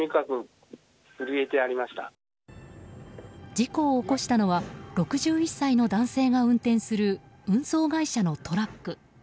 事故を起こしたのは６１歳の男性が運転する運送会社のトラック。